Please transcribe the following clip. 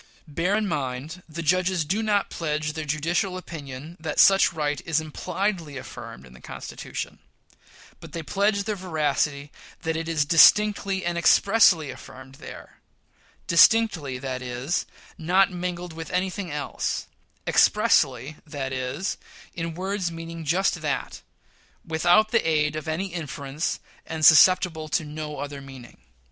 Bear in mind, the judges do not pledge their judicial opinion that such right is impliedly affirmed in the Constitution; but they pledge their veracity that it is "distinctly and expressly" affirmed there "distinctly," that is, not mingled with anything else; "expressly," that is, in words meaning just that, without the aid of any inference, and susceptible of no other meaning.